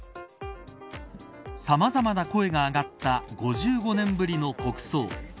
さまざまな声が上がった５５年ぶりの国葬。